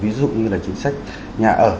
ví dụ như là chính sách nhà ở